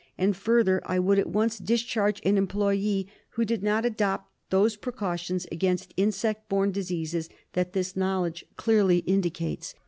And, further, I would at once discharge an employee who did not adopt those precautions against insect borne disease that this knowledge clearly indicates.